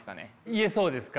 言えそうですか？